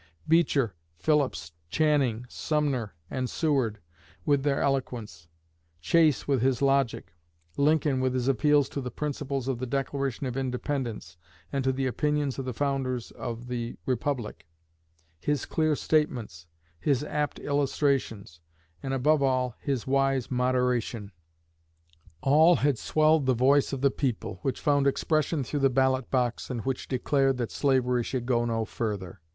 Beecher, Phillips, Channing, Sumner, and Seward, with their eloquence; Chase with his logic; Lincoln, with his appeals to the principles of the Declaration of Independence, and to the opinions of the founders of the republic, his clear statements, his apt illustrations, and, above all, his wise moderation, all had swelled the voice of the people, which found expression through the ballot box, and which declared that slavery should go no further."